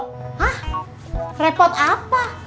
hah repot apa